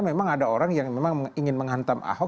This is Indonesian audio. memang ada orang yang memang ingin menghantam ahok